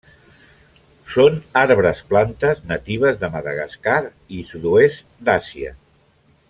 Són arbres plantes natives de Madagascar i sud-oest d'Àsia.